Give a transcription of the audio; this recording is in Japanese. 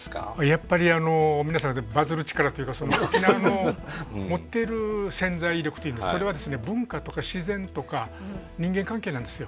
やっぱり皆さんバズる力というか沖縄の持ってる潜在力それは文化とか自然とか人間関係なんですよ。